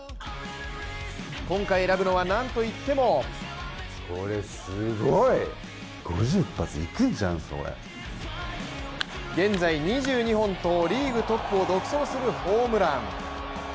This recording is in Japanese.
今回選ぶのは何といっても現在２２本とリーグトップを独走するホームラン。